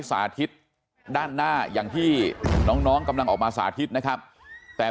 สาธิตด้านหน้าอย่างที่น้องน้องกำลังออกมาสาธิตนะครับแต่